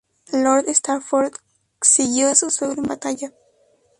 Lord Stafford siguió a su suegro en batalla.